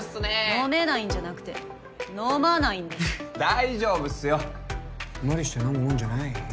飲めないんじゃなくて飲まないんです大丈夫っすよ無理して飲むもんじゃない